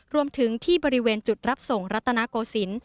รวมถึงที่บริเวณจุดรับส่งรัตนโกศิลป์